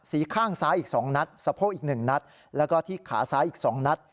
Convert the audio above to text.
ข้างซ้ายอีก๒นัดสะโพกอีก๑นัดแล้วก็ที่ขาซ้ายอีก๒นัด